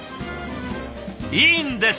いいんです！